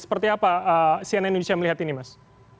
seperti apa cnn indonesia melihat ini mas